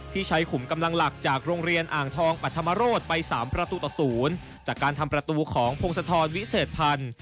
ที่ใช้ขุมกำลังหลักจากโรงเรียนอ่างทองปัธมโรธไป๓ประตูต่อ๐จากการทำประตูของพงศธรวิเศษพันธ์